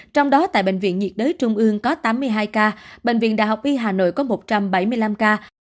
trong đó tại bệnh viện nhiệt đới trung ương có tám mươi hai ca bệnh viện đại học y hà nội có một trăm bảy mươi năm ca